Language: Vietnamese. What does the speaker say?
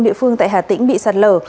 địa phương tại hà tĩnh bị sạt lở